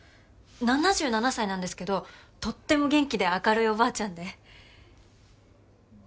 ７７歳なんですけどとっても元気で明るいおばあちゃんで。